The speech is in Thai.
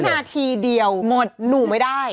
นาทีเดียวหมดหนูไม่ได้